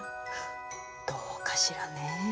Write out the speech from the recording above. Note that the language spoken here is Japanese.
どうかしらねえ。